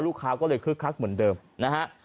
ลูกค้าก็เลยคึกคักเหมือนเดิมนะฮะ